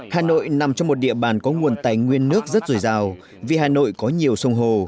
hà nội nằm trong một địa bàn có nguồn tài nguyên nước rất dồi dào vì hà nội có nhiều sông hồ